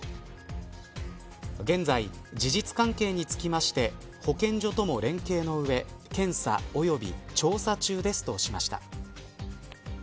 現在、事実関係につきまして保健所とも連携のうえ検査及び調査中ですとしました。